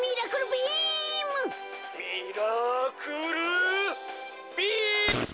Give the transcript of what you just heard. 「ミラクルビー」。